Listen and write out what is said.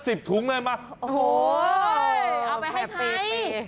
มีข้าวห้ามาถ่ายปลาไปให้ใคร